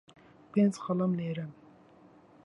پێنج قەڵەم لێرەن.